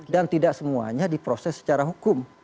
dan tidak semuanya diproses secara hukum